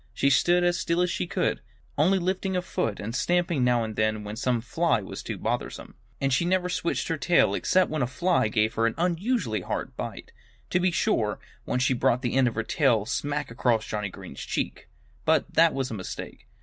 She stood as still as she could, only lifting a foot and stamping now and then when some fly was too bothersome. And she never switched her tail except when a fly gave her an unusually hard bite. To be sure, once she brought the end of her tail smack across Johnnie Green's cheek. But that was a mistake.